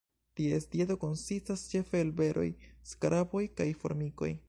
Ties dieto konsistas ĉefe el beroj, skaraboj kaj formikoj.